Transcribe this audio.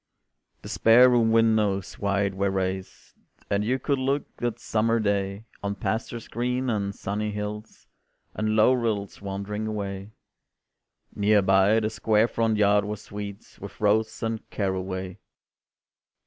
The spare room windows wide were raised, And you could look that summer day On pastures green, and sunny hills, And low rills wandering away. Near by, the square front yard was sweet With rose and caraway.